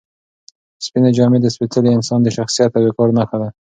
سپینې جامې د سپېڅلي انسان د شخصیت او وقار نښه ده.